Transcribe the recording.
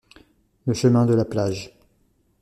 Le chemin de la plage.